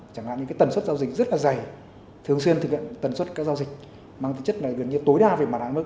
chẳng hạn như tần suất giao dịch rất là dày thường xuyên thực hiện tần suất các giao dịch mang tính chất này gần như tối đa về mặt hạn mức